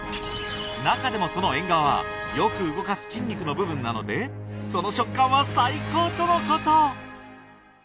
中でもそのエンガワはよく動かす筋肉の部分なのでその食感は最高とのこと！